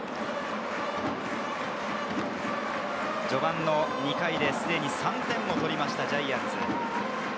序盤２回ですでに３点を取りました、ジャイアンツ。